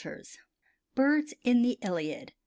] BIRDS IN "THE ILIAD."